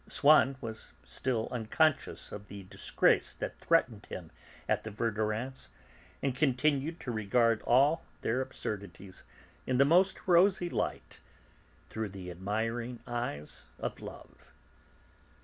Swann was still unconscious of the disgrace that threatened him at the Verdurins', and continued to regard all their absurdities in the most rosy light, through the admiring eyes of love.